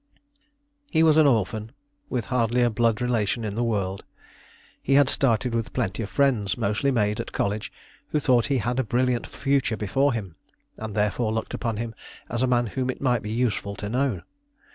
He was an orphan, with hardly a blood relation in the world. He had started with plenty of friends, mostly made at college, who thought he had a brilliant future before him, and therefore looked upon him as a man whom it might be useful to know.